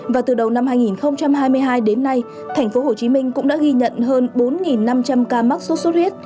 và từ đầu năm hai nghìn hai mươi hai đến nay tp hcm cũng đã ghi nhận hơn bốn năm trăm linh ca mắc sốt xuất huyết